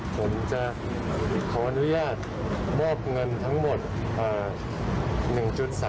ผมจะขออนุญาตมอบเงินทั้งหมด๑๓